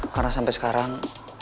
karena sampai sekarang